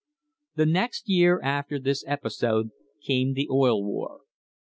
The next year after this episode came the Oil War.